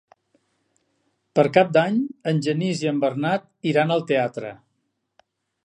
Per Cap d'Any en Genís i en Bernat iran al teatre.